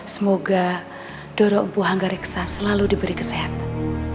semoga doro empu hangga riksa selalu diberi kesehatan